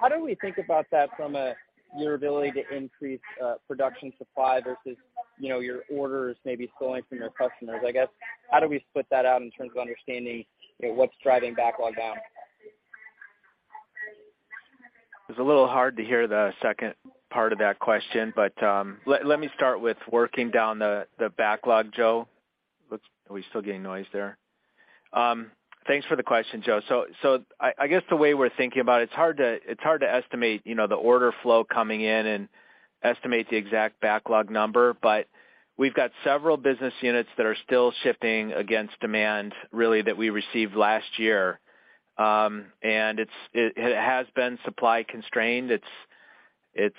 How do we think about that from a, your ability to increase production supply versus, you know, your orders maybe slowing from your customers? I guess, how do we split that out in terms of understanding, you know, what's driving backlog down? It's a little hard to hear the second part of that question. Let me start with working down the backlog, Joe. Are we still getting noise there? Thanks for the question, Joe. I guess the way we're thinking about it's hard to estimate, you know, the order flow coming in and estimate the exact backlog number, but we've got several business units that are still shifting against demand really that we received last year. It has been supply constrained. It's,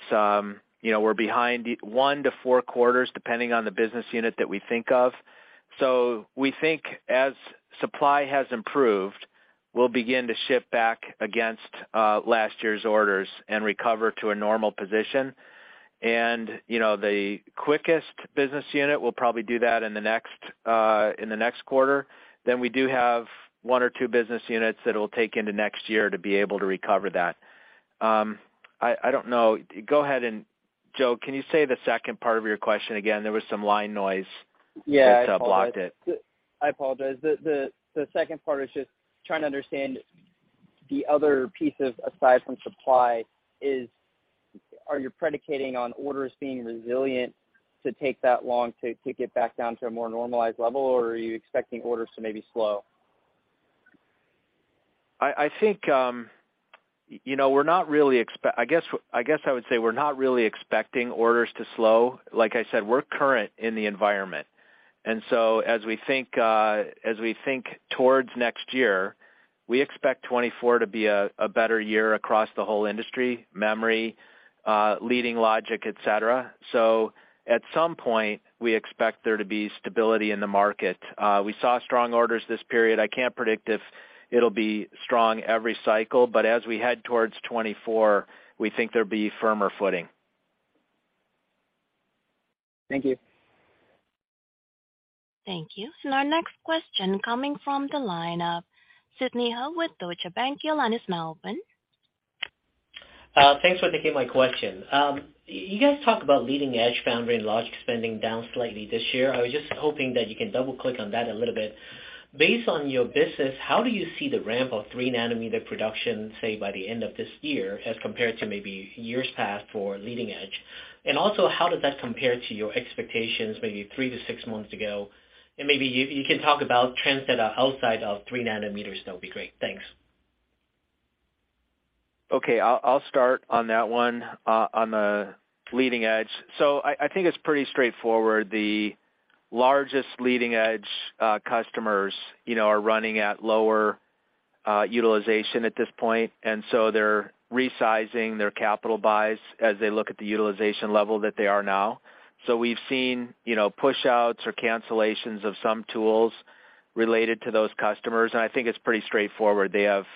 you know, we're behind one to four quarters, depending on the business unit that we think of. We think as supply has improved, we'll begin to shift back against last year's orders and recover to a normal position. you know, the quickest business unit will probably do that in the next quarter. we do have one or two business units that it'll take into next year to be able to recover that. I don't know. Go ahead and, Joe, can you say the second part of your question again? There was some line noise. Yeah. that blocked it. I apologize. The second part is just trying to understand the other pieces aside from supply is, are you predicating on orders being resilient to take that long to get back down to a more normalized level, or are you expecting orders to maybe slow? I think, you know, we're not really I guess I would say we're not really expecting orders to slow. Like I said, we're current in the environment. As we think, as we think towards next year, we expect 2024 to be a better year across the whole industry, memory, leading logic, et cetera. At some point, we expect there to be stability in the market. We saw strong orders this period. I can't predict if it'll be strong every cycle, but as we head towards 2024, we think there'll be firmer footing. Thank you. Thank you. Our next question coming from the line of Sidney Ho with Deutsche Bank. Your line is now open. Thanks for taking my question. You guys talk about leading edge foundry and logic spending down slightly this year. I was just hoping that you can double-click on that a little bit. Based on your business, how do you see the ramp of 3 nm production, say, by the end of this year as compared to maybe years past for leading edge? Also, how does that compare to your expectations maybe three to six months ago? Maybe you can talk about trends that are outside of 3 nm, that would be great. Thanks. Okay. I'll start on that one on the leading edge. I think it's pretty straightforward. The largest leading edge customers, you know, are running at lower utilization at this point, they're resizing their capital buys as they look at the utilization level that they are now. We've seen, you know, push-outs or cancellations of some tools related to those customers, I think it's pretty straightforward. They have,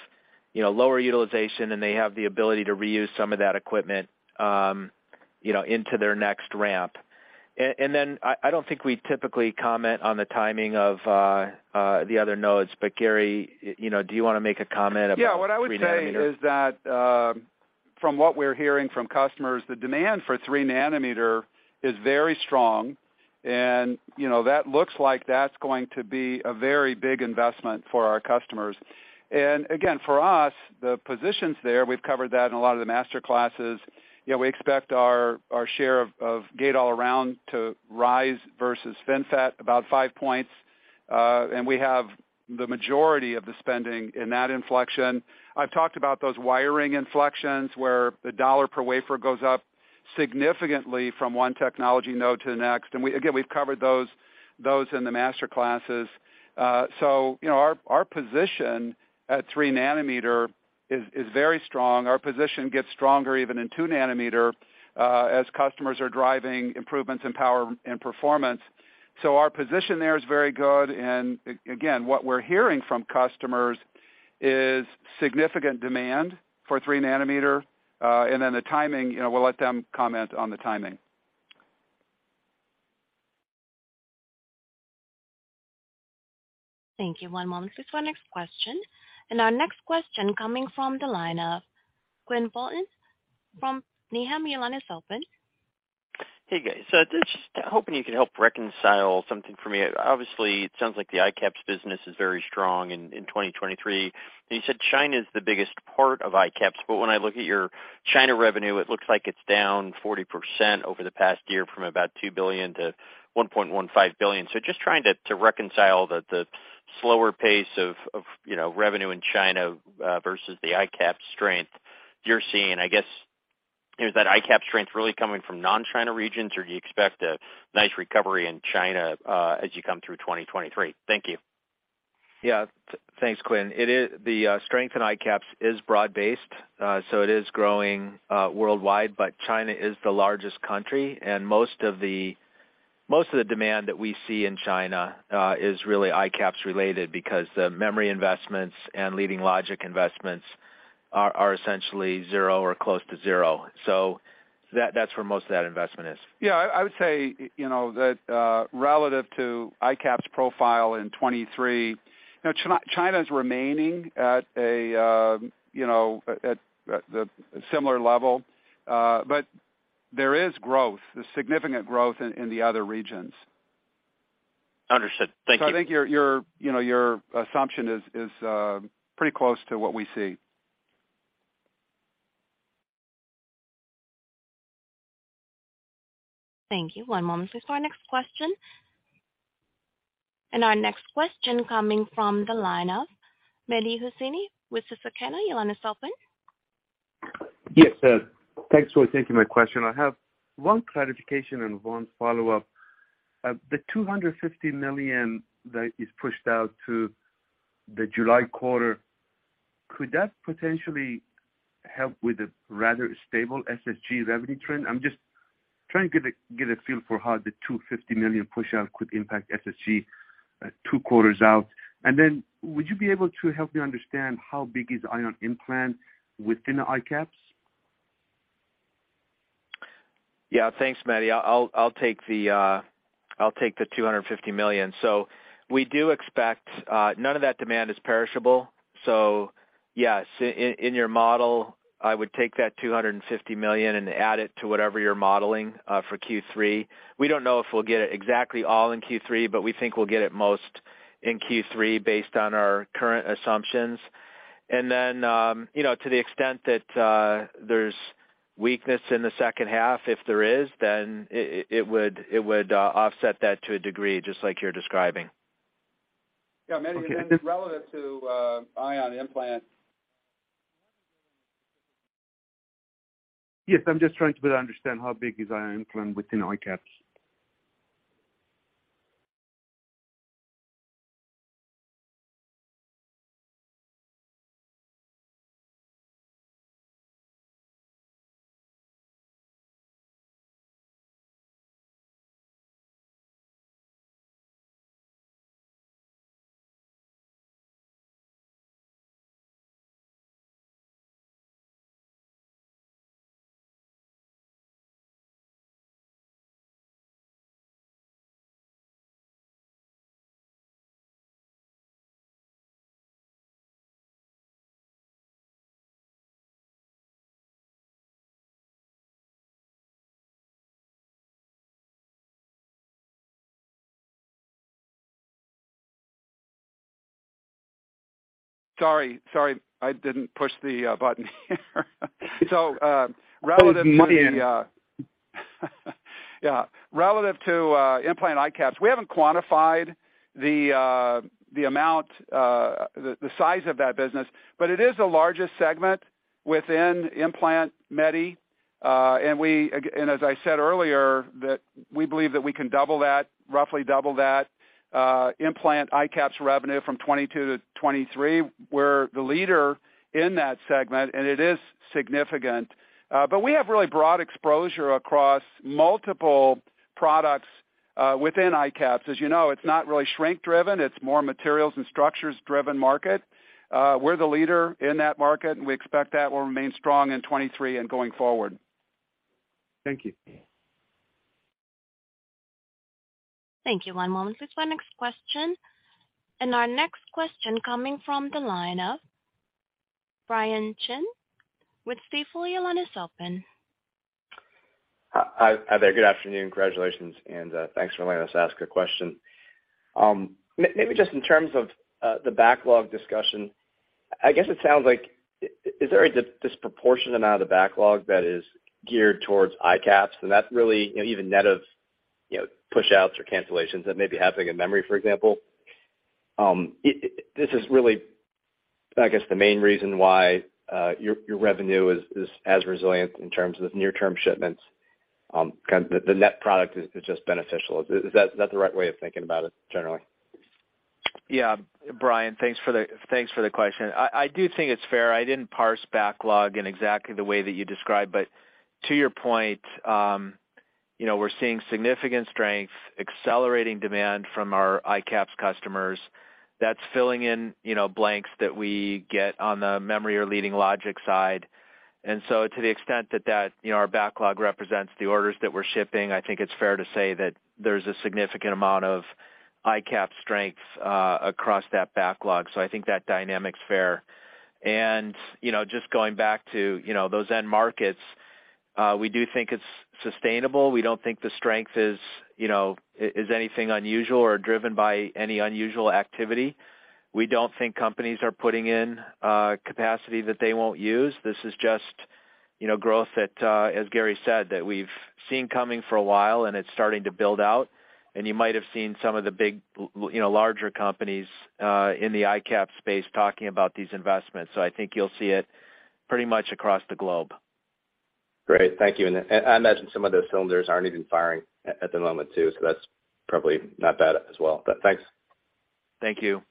you know, lower utilization, they have the ability to reuse some of that equipment, you know, into their next ramp. Then I don't think we typically comment on the timing of the other nodes. Gary, you know, do you wanna make a comment about- Yeah. What I would say. 3 nm? is that, from what we're hearing from customers, the demand for 3 nm is very strong and, you know, that looks like that's going to be a very big investment for our customers. Again, for us, the positions there, we've covered that in a lot of the master classes. You know, we expect our share of gate-all-around to rise versus FinFET about five points, and we have the majority of the spending in that inflection. I've talked about those wiring inflections where the dollar per wafer goes up significantly from 1 technology node to the next. Again, we've covered those in the master classes. So you know, our position at 3 nm is very strong. Our position gets stronger even in 2 nm, as customers are driving improvements in power and performance. Our position there is very good. Again, what we're hearing from customers is significant demand for 3 nm. The timing, you know, we'll let them comment on the timing. Thank you. One moment please for our next question. Our next question coming from the line of Quinn Bolton from Needham. Your line is open. Hey, guys. Just hoping you can help reconcile something for me. Obviously, it sounds like the ICAPS business is very strong in 2023, and you said China is the biggest part of ICAPS. When I look at your China revenue, it looks like it's down 40% over the past year from about $2 billion to $1.15 billion. Just trying to reconcile the slower pace of, you know, revenue in China versus the ICAPS strength you're seeing. I guess is that ICAPS strength really coming from non-China regions, or do you expect a nice recovery in China as you come through 2023? Thank you. Yeah. Thanks, Quinn. It is the strength in ICAPS is broad-based, so it is growing worldwide, but China is the largest country, and most of the demand that we see in China is really ICAPS related because the memory investments and leading logic investments are essentially zero or close to zero. That's where most of that investment is. Yeah. I would say, you know, that relative to ICAPS profile in 23, you know, China's remaining at a, you know, at the similar level, but there is growth, there's significant growth in the other regions. Understood. Thank you. I think your, you know, your assumption is pretty close to what we see. Thank you. One moment please for our next question. Our next question coming from the line of Mehdi Hosseini with Susquehanna. Your line is open. Yes, thanks for taking my question. I have one clarification and one follow-up. The $250 million that is pushed out to the July quarter, could that potentially help with the rather stable SSG revenue trend? I'm just trying to get a feel for how the $250 million push out could impact SSG, two quarters out. Would you be able to help me understand how big is ion implant within the ICAPS? Thanks, Mehdi. I'll take the $250 million. We do expect. None of that demand is perishable, yes, in your model, I would take that $250 million and add it to whatever you're modeling for Q3. We don't know if we'll get it exactly all in Q3, we think we'll get it most in Q3 based on our current assumptions. You know, to the extent that there's weakness in the second half, if there is, then it would offset that to a degree, just like you're describing. Yeah, Mehdi. Okay. Then relative to, ion implant. Yes. I'm just trying to better understand how big is ion implant within ICAPS? Sorry, I didn't push the button here. Relative to the. Oh, you did. Yeah. Relative to implant ICAPS, we haven't quantified the amount, the size of that business, but it is the largest segment within implant Mehdi. As I said earlier, that we believe that we can roughly double that implant ICAPS revenue from 2022 to 2023. We're the leader in that segment, and it is significant. We have really broad exposure across multiple products within ICAPS. As you know, it's not really shrink-driven. It's more materials and structures-driven market. We're the leader in that market, and we expect that will remain strong in 2023 and going forward. Thank you. Thank you. One moment, please, for our next question. Our next question coming from the line of Brian Chin with Stifel. Your line is open. Hi there. Good afternoon, congratulations, and thanks for letting us ask a question. Maybe just in terms of the backlog discussion, I guess it sounds like is there a disproportionate amount of the backlog that is geared towards ICAPS? That's really, you know, even net of, you know, push-outs or cancellations that may be happening in memory, for example. This is really, I guess, the main reason why your revenue is as resilient in terms of near-term shipments, kind of the net product is just beneficial. Is that the right way of thinking about it generally? Yeah. Brian, thanks for the, thanks for the question. I do think it's fair. I didn't parse backlog in exactly the way that you described. To your point, you know, we're seeing significant strength, accelerating demand from our ICAPS customers. That's filling in, you know, blanks that we get on the memory or leading logic side. To the extent that, you know, our backlog represents the orders that we're shipping, I think it's fair to say that there's a significant amount of ICAPS strength across that backlog. I think that dynamic's fair. You know, just going back to, you know, those end markets, we do think it's sustainable. We don't think the strength is, you know, is anything unusual or driven by any unusual activity. We don't think companies are putting in capacity that they won't use. This is just, you know, growth that, as Gary said, that we've seen coming for a while, and it's starting to build out. You might have seen some of the big, you know, larger companies, in the ICAPS space talking about these investments. I think you'll see it pretty much across the globe. Great. Thank you. I imagine some of those cylinders aren't even firing at the moment too. That's probably not bad as well. Thanks. Thank you.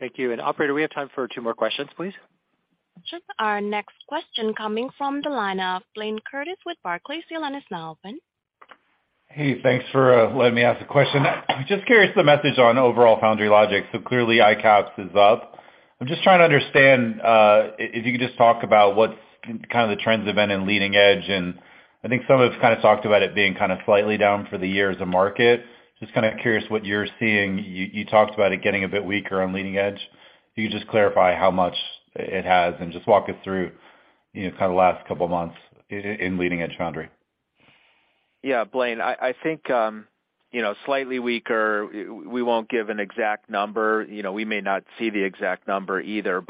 Thank you. Operator, we have time for two more questions, please. Sure. Our next question coming from the line of Blayne Curtis with Barclays. Your line is now open. Hey, thanks for letting me ask a question. Just curious the message on overall foundry logic. Clearly ICAPS is up. I'm just trying to understand if you could just talk about what's kind of the trends have been in leading edge, and I think some have kind of talked about it being kind of slightly down for the year as a market. Just kind of curious what you're seeing. You talked about it getting a bit weaker on leading edge. Can you just clarify how much it has and just walk us through, you know, kind of the last couple of months in leading edge foundry? Yeah. Blayne, I think, you know, slightly weaker. We won't give an exact number. You know, we may not see the exact number either.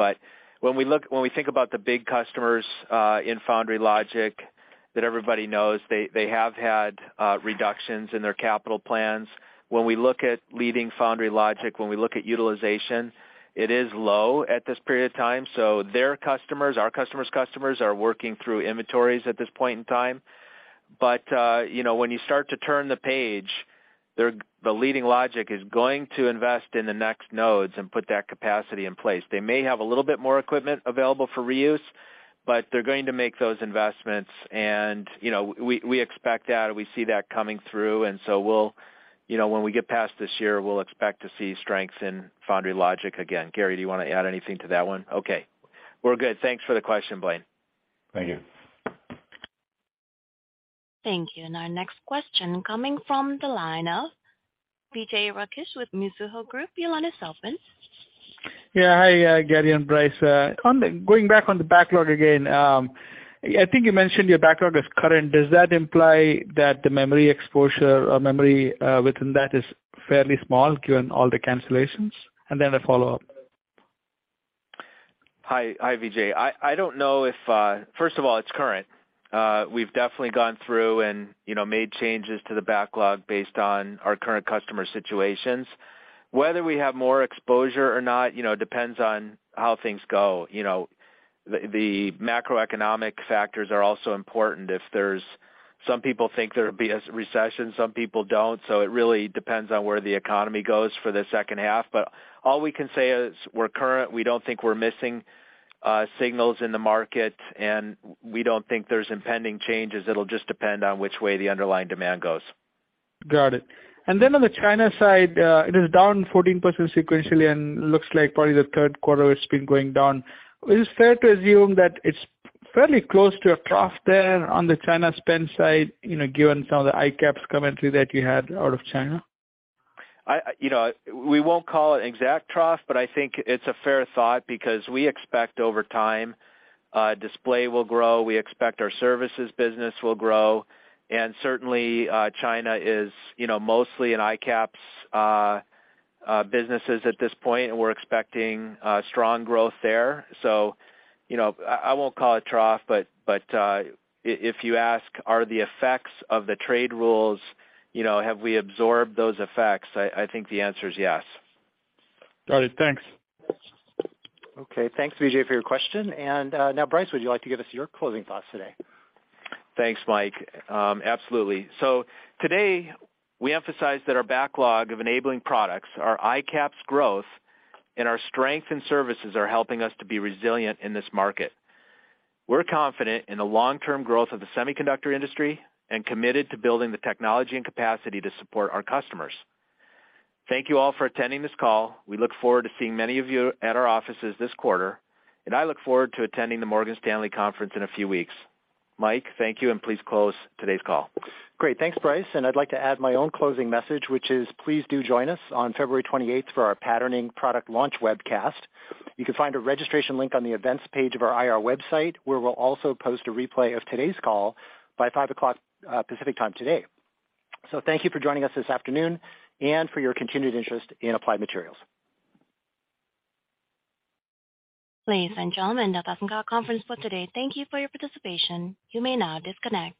When we think about the big customers in foundry logic that everybody knows, they have had reductions in their capital plans. When we look at leading foundry logic, when we look at utilization, it is low at this period of time, so their customers, our customer's customers are working through inventories at this point in time. You know, when you start to turn the page, the leading logic is going to invest in the next nodes and put that capacity in place. They may have a little bit more equipment available for re-use, but they're going to make those investments and, you know, we expect that, we see that coming through and so we'll, you know, when we get past this year, we'll expect to see strengths in foundry logic again. Gary, do you wanna add anything to that one? Okay. We're good. Thanks for the question, Blayne. Thank you. Thank you. Our next question coming from the line of Vijay Rakesh with Mizuho Group. Your line is open. Yeah. Hi, Gary and Brice. On the going back on the backlog again, I think you mentioned your backlog is current. Does that imply that the memory exposure or memory within that is fairly small given all the cancellations? Then a follow-up. Hi. Hi, Vijay. First of all, it's current. We've definitely gone through and, you know, made changes to the backlog based on our current customer situations. Whether we have more exposure or not, you know, depends on how things go, you know. The macroeconomic factors are also important. Some people think there'll be a recession, some people don't, so it really depends on where the economy goes for the second half. All we can say is we're current. We don't think we're missing signals in the market, and we don't think there's impending changes. It'll just depend on which way the underlying demand goes. Got it. On the China side, it is down 14% sequentially and looks like probably the third quarter it's been going down. Is it fair to assume that it's fairly close to a trough there on the China spend side, you know, given some of the ICAPS commentary that you had out of China? I You know, we won't call it exact trough, but I think it's a fair thought because we expect over time, display will grow. We expect our services business will grow. Certainly, China is, you know, mostly in ICAPS businesses at this point, and we're expecting strong growth there. You know, I won't call it trough, but if you ask are the effects of the trade rules, you know, have we absorbed those effects, I think the answer is yes. Got it. Thanks. Okay. Thanks, Vijay, for your question. Now, Brice, would you like to give us your closing thoughts today? Thanks, Mike. Absolutely. Today, we emphasized that our backlog of enabling products, our ICAPS growth, and our strength in services are helping us to be resilient in this market. We're confident in the long-term growth of the semiconductor industry and committed to building the technology and capacity to support our customers. Thank you all for attending this call. We look forward to seeing many of you at our offices this quarter. I look forward to attending the Morgan Stanley conference in a few weeks. Mike, thank you. Please close today's call. Great. Thanks, Brice. I'd like to add my own closing message, which is please do join us on February 28th for our patterning product launch webcast. You can find a registration link on the events page of our IR website, where we'll also post a replay of today's call by 5:00 P.M. Pacific Time today. Thank you for joining us this afternoon and for your continued interest in Applied Materials. Ladies and gentlemen, that does end our conference call today. Thank you for your participation. You may now disconnect.